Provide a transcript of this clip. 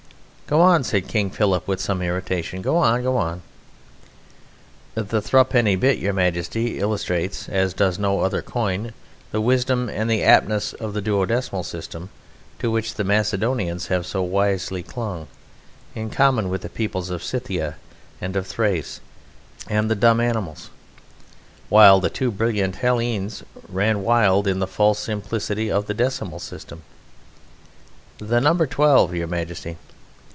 "Go on," said King Philip, with some irritation; "go on; go on!" "The thruppenny bit, Your Majesty, illustrates, as does no other coin, the wisdom and the aptness of the duodecimal system to which the Macedonians have so wisely clung (in common with the people of Scythia and of Thrace, and the dumb animals) while the too brilliant Hellenes ran wild in the false simplicity of the decimal system. The number twelve, Your Majesty...."